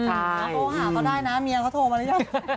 เธอโทรหาเขาได้นะเมียเขาโทรมาแล้ว